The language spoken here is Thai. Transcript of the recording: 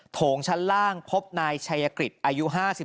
โถงชั้นล่างพบนายชัยกฤษอายุ๕๓